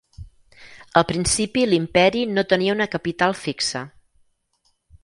Al principi l'imperi no tenia una capital fixa.